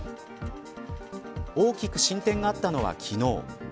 大きく進展があったのは昨日。